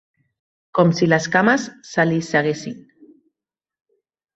Com si les cames se li seguessin